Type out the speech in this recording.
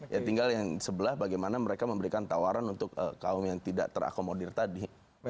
ya tinggal yang sebelah bagaimana mereka memberikan tawaran untuk kaum yang tidak terakomodir tadi